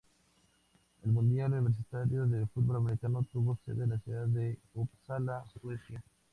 El Mundial Universitario de Fútbol Americano tuvo sede en la ciudad de Uppsala, Suecia.